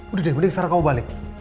udah deh mending sekarang kamu balik